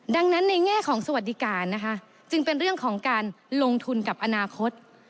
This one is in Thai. ดังนั้นในแง่ของสวัสดิการนะคะจึงเป็นเรื่องของการลงทุนกับอนาคต